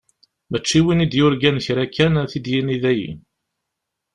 Mačči win i d-yurgan kra kan, ad t-id-yini dayi.